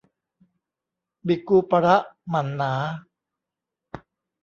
บิกูปะระหมั่นหนา